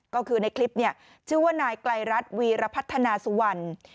ก็คือในคลิปเนี่ยชื่อว่านายไกลรัฐวีรพัฒนาสุวรรณ